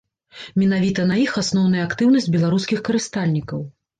Менавіта на іх асноўная актыўнасць беларускіх карыстальнікаў.